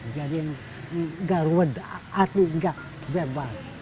jadi gak ruang hati gak bebas